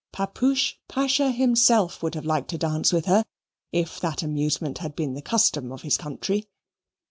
Papoosh Pasha himself would have liked to dance with her if that amusement had been the custom of his country.